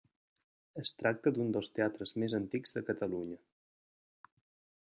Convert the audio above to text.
Es tracta d'un dels teatres més antics de Catalunya.